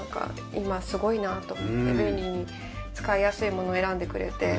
今すごいなと思って便利に使いやすいものを選んでくれて。